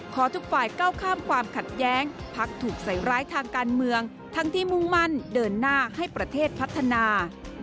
ทุกฝ่ายก้าวข้ามความขัดแย้งพักถูกใส่ร้ายทางการเมืองทั้งที่มุ่งมั่นเดินหน้าให้ประเทศพัฒนา